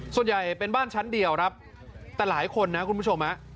ส่วนใหญ่เป็นบ้านชั้นเดียวครับแต่หลายคนนะคุณผู้ชมฮะ